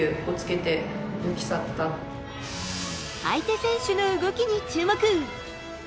相手選手の動きに注目。